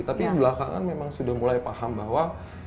tapi belakangan memang sudah mulai paham bahwa